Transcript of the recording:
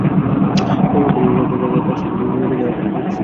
তবে প্রকল্পের কাজ শেষ হতে সময় লেগেছে আরও পাঁচ মাস বেশি।